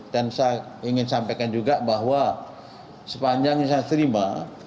dan saya ingin sampaikan juga bahwa sepanjang yang saya terima